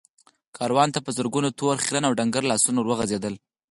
کاروان ته په زرګونو تور، خيرن او ډنګر لاسونه ور وغځېدل.